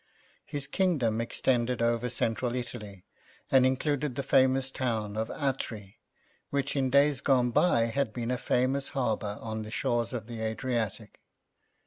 His kingdom extended over Central Italy, and included the famous town of Atri, which in days gone by had been a famous harbour on the shores of the Adriatic.